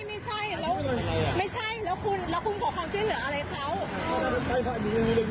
ไม่ใช่ไม่ใช่แล้วคุณบอกความเจ็บเหลืออะไรครับ